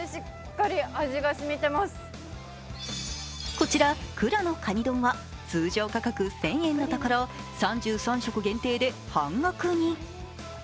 こちら、蔵のかに丼は通常価格１０００円のところ３３食限定で半額に。